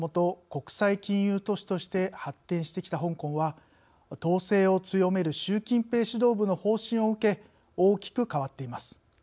国際金融都市として発展してきた香港は統制を強める習近平指導部の方針を受け大きく変わっています。